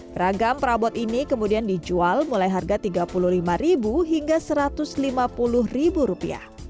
beragam perabot ini kemudian dijual mulai harga rp tiga puluh lima hingga rp satu ratus lima puluh